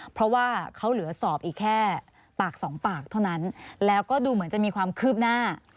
เพราะว่าเขาเหลือสอบอีกแค่ปากสองปากเท่านั้นแล้วก็ดูเหมือนจะมีความคืบหน้า